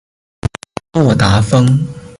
沃达丰